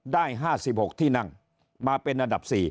ได้๕๖ที่นั่งมาเป็นอันดับ๔